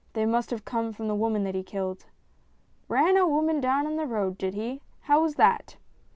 " They must have come from the woman that he killed." " Ran a woman down in the road, did he ? How was that